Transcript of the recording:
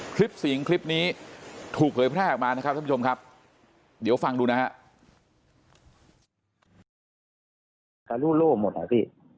คลิปเสียงคลิปนี้ถูกเผยแพร่ออกมานะครับท่านผู้ชมครับเดี๋ยวฟังดูนะฮะ